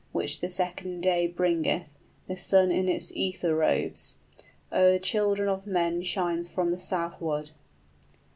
} Which the second day bringeth, the sun in its ether robes, O'er children of men shines from the southward!"